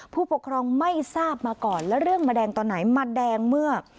ผู้ปกครองไม่ทราบมาก่อนแล้วเรื่องมาแดงตอนไหนมาแดงเมื่อ